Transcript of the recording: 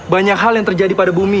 banyak hal yang terjadi pada bumi